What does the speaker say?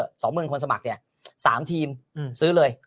สองหมื่นคนสมัครเนี่ย๓ทีมซื้อเลย